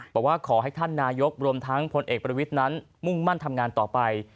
บอกว่าขอให้ท่านนายกรวมทั้งพลเอกประวิทย์นั้นมุ่งมั่นทำงานต่อไป